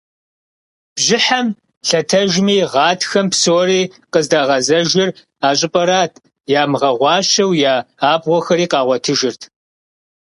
Бжьыхьэм лъэтэжми, гъатхэм псори къыздагъэзэжыр а щӏыпӏэрат, ямыгъэгъуащэу я абгъуэхэри къагъуэтыжырт.